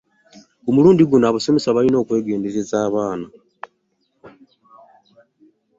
Ku mulundi guno abasomesa balina okwegendereza abaana.